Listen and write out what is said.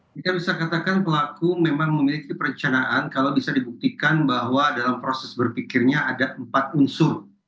kita bisa katakan pelaku memang memiliki perencanaan kalau bisa dibuktikan bahwa dalam proses berpikirnya ada empat unsur